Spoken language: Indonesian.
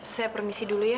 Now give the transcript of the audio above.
saya permisi dulu ya